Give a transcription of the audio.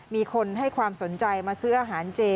มีคนให้ความสนใจมาซื้ออาหารเจ